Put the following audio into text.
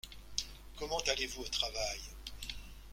Comment allez-vous au travail ?